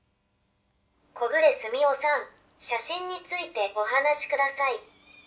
小暮純生さん写真についてお話しください。